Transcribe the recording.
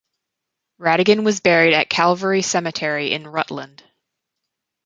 Radigan was buried at Calvary Cemetery in Rutland.